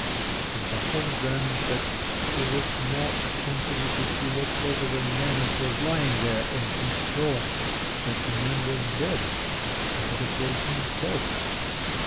And Pahom dreamt that he looked more attentively to see what sort of a man it was lying there, and he saw that the man was dead, and that it was himself!